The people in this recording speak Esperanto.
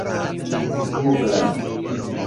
gugla